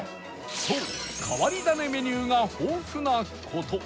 そう変わり種メニューが豊富な事